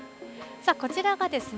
さあ、こちらがですね